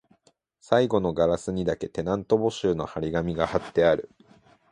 最後のガラスにだけ、テナント募集の張り紙が張ってある